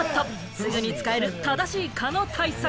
すぐに使える正しい蚊の対策！